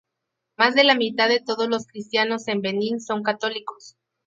Más de la mitad de todos los cristianos en Benín son católicos.